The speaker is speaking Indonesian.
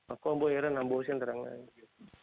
aku ambuh heran ambuh usia yang terang ngah